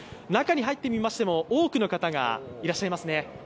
中に入ってみましても、多くの方がいらっしゃいますね。